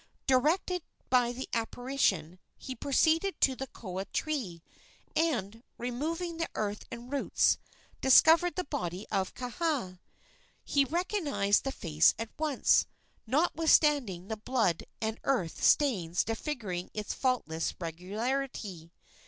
Directed by the apparition, he proceeded to the koa tree, and, removing the earth and roots, discovered the body of Kaha. He recognized the face at once, notwithstanding the blood and earth stains disfiguring its faultless regularity.